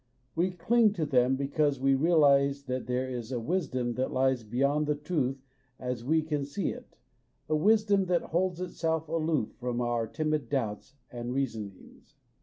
We cling to them because we realize that there is a wisdom that lies beyond the truth as we can see it a wisdom that holds itself aloof from our timid doubts and reasonings.